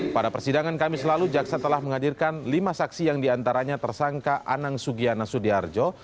pada persidangan kamis lalu jaksa telah menghadirkan lima saksi yang diantaranya tersangka anang sugiana sudiarjo